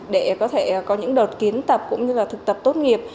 để có thể có những đợt kiến tập cũng như là thực tập tốt nghiệp